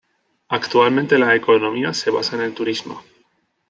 Actualmente la economía se basa en el turismo.